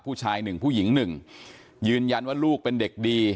ผู้ชายหนึ่งผู้หญิงหนึ่งยืนยันว่าลูกเป็นเด็กดี